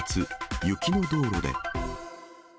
雪の道路で。